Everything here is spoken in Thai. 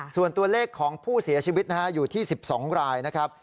ส่วนตัวเลขของผู้เสียชีวิตอยู่ที่๑๒รายนะครับ